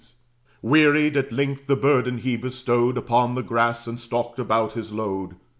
Wearied, at length, the burden he bestowed Upon the grass, and stalked about his load.